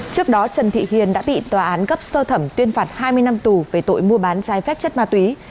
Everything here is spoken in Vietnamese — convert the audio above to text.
trước đó trần thị hiền đã bị tòa án cấp sơ thẩm tuyên phạt hai mươi năm tù về tội mua bán trái phép chất ma túy